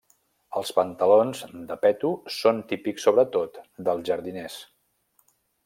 Els pantalons de peto són típics, sobretot, dels jardiners.